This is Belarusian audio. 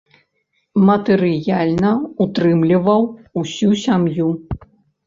Матэрыяльна ўтрымліваў усю сям'ю.